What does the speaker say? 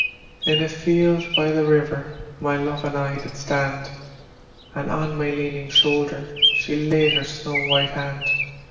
In a field by the river my love and I did stand, And on my leaning shoulder she laid her snow white hand.